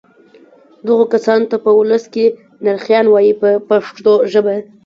دغو کسانو ته په ولس کې نرخیان وایي په پښتو ژبه.